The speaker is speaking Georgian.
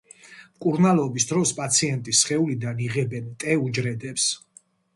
მკურნალობის დროს, პაციენტის სხეულიდან იღებენ ტე უჯრედებს.